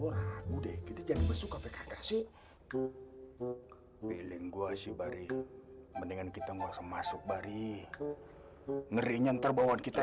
udah jadi besok sih piling gua sih bari mendingan kita masuk masuk bari ngeri nyantar bawaan kita